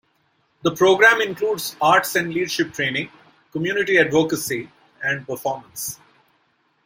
The program includes arts and leadership training, community advocacy, and performance.